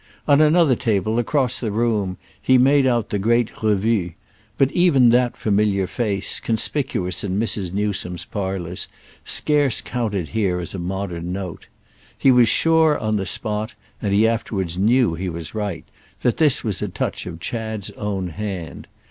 On another table, across the room, he made out the great Revue; but even that familiar face, conspicuous in Mrs. Newsome's parlours, scarce counted here as a modern note. He was sure on the spot—and he afterwards knew he was right—that this was a touch of Chad's own hand.